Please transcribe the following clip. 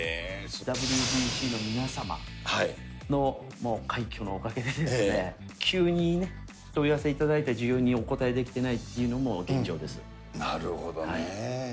ＷＢＣの皆様の、もう快挙のおかげでですね、急に問い合わせをいただいて、需要にお応えできてないっていうなるほどねぇ。